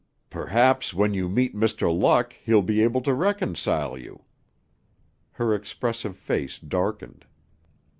"Perhaps when you meet Mr. Luck, he'll be able to reconcile you." Her expressive face darkened.